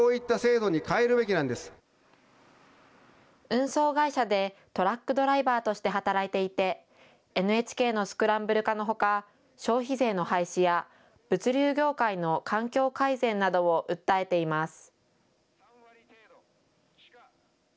運送会社でトラックドライバーとして働いていて、ＮＨＫのスクランブル化のほか消費税の廃止や物流業界の環境改善などを訴えています。